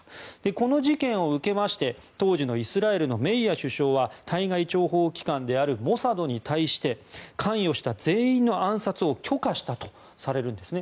この事件を受けまして当時のイスラエルのメイア首相は対外諜報機関であるモサドに対して関与した全員の暗殺を許可したとされるんですね。